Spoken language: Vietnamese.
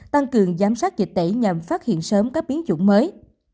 tăng cường giám sát dịch tễ nhằm phát hiện sớm các biến chủng mới